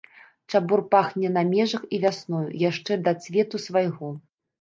Чабор пахне на межах і вясною, яшчэ да цвету свайго.